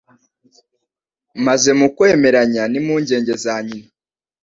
maze mu kwemeranya n'impungenge za nyina,